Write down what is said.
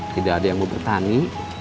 tidak ada yang mau bertani